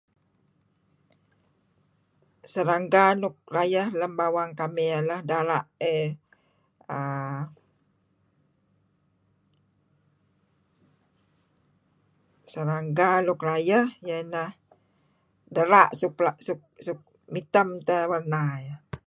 Serangga nuk rayeh lem bawang kamih iyeh lah dera' uhm. Serangga suk rayeh iyeh ineh dera' suk suk mitem teh warna iih.